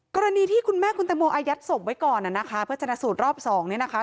กรณีที่คุณแม่คุณตังโมอายัดสมไว้ก่อนนะคะเพื่อจัดสูตรรอบ๒นะคะ